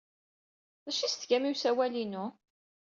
D acu ay as-tgam i usawal-inu?